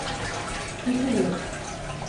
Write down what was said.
Төшөгөҙ!